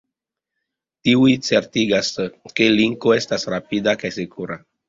Tiuj certigas, ke Linko estas rapida kaj sekura.